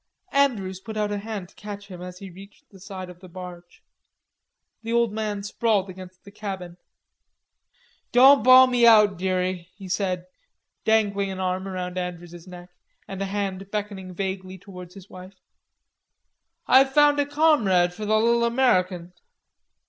Andrews put out a hand to catch him, as he reached the side of the barge. The old man sprawled against the cabin. "Don't bawl me out, dearie," he said, dangling an arm round Andrews's neck, and a hand beckoning vaguely towards his wife. "I've found a comrade for the little American."